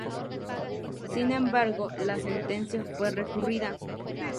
Sin embargo, la sentencia fue recurrida.